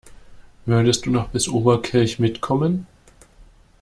Würdest du noch bis Oberkirch mitkommen?